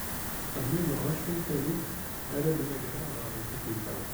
Ttxemmimeɣ acu n taluft ara d-mmagreɣ daɣen tikkelt-a.